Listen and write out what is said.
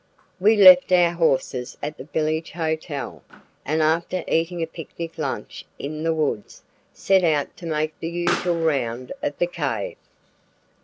We left our horses at the village hotel, and after eating a picnic lunch in the woods, set out to make the usual round of the cave.